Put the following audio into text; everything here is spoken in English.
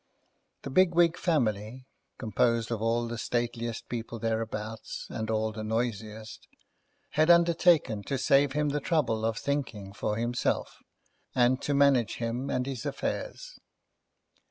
The Bigwig family (composed of all the stateliest people thereabouts, and all the noisiest) had undertaken to save him the trouble of thinking for himself, and to manage him and his affairs.